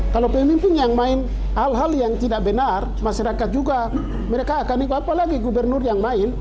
kalau pemimpin yang main hal hal yang tidak benar masyarakat juga mereka akan ikut apalagi gubernur yang main